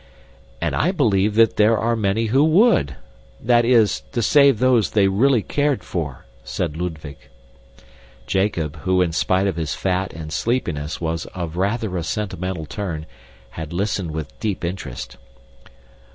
"And I believe that there are many who WOULD. That is, to save those they really cared for," said Ludwig. Jacob, who in spite of his fat and sleepiness was of rather a sentimental turn, had listened with deep interest.